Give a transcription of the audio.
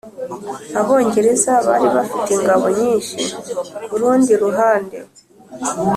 abongereza bari bafite ingabo nyinshi kurundi ruhande.